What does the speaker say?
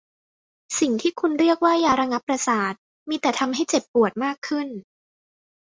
สิ่งที่คุณเรียกว่ายาระงับประสาทมีแต่ทำให้เจ็บปวดมากขึ้น